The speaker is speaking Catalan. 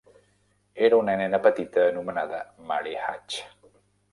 Era una nena petita anomenada Mary Hatch.